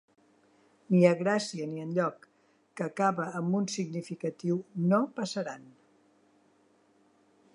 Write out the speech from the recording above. Ni a Gràcia, ni a enlloc’, que acaba amb un significatiu ‘No passaran’.